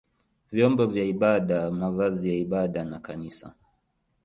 vyombo vya ibada, mavazi ya ibada na kanisa.